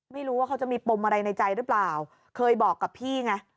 ไม่รู้ว่าเขาจะมีปมอะไรในใจหรือเปล่าเคยบอกกับพี่ไง